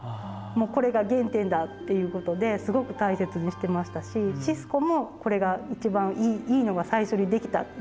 もうこれが原点だっていうことですごく大切にしてましたしシスコもこれが「一番いいのが最初に出来た。